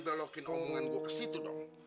berloki ngomongan gue ke situ dong